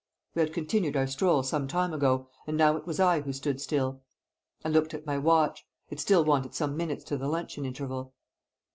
We had continued our stroll some time ago, and now it was I who stood still. I looked at my watch. It still wanted some minutes to the luncheon interval.